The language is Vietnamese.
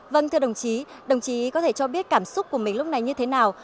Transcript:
vâng thưa đồng chí đồng chí có thể cho biết cảm xúc của mình lúc này như thế nào